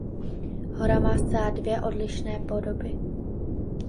Hora má dvě zcela odlišné podoby.